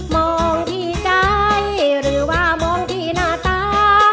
มองที่ใจหรือว่ามองที่หน้าตา